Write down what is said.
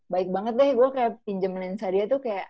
baik banget deh gue kayak pinjemin lensa dia tuh kayak